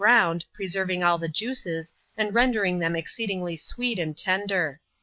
[chap, lxvhl ground, preserving all the juices, and rendering them, exceed ingly sweet and tender.